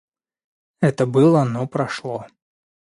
Это было, но прошло.